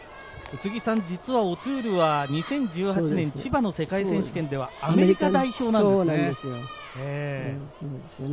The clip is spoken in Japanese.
実はオトゥールは２０１８年、千葉の世界選手権ではアメリカ代表なんですよね。